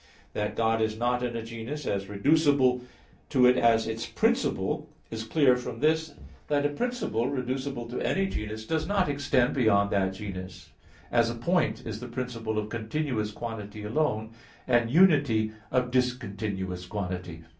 That God is not in a genus, as reducible to it as its principle, is clear from this, that a principle reducible to any genus does not extend beyond that genus; as, a point is the principle of continuous quantity alone; and unity, of discontinuous quantity.